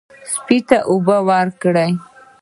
سپي ته اوبه ورکړئ.